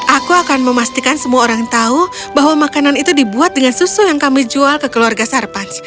aku akan memastikan semua orang tahu bahwa makanan itu dibuat dengan susu yang kami jual ke keluarga sarpan